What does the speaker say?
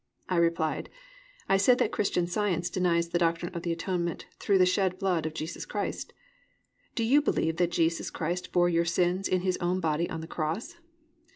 I replied: "I said that Christian Science denies the Doctrine of the Atonement through the shed blood of Jesus Christ. Do you believe that Jesus Christ bore your sins in His own body on the cross?"